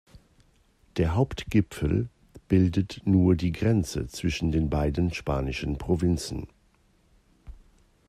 Der Hauptgipfel bildet nur die Grenze zwischen den beiden spanischen Provinzen.